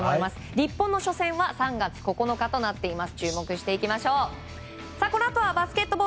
日本の初戦は３月９日となっています。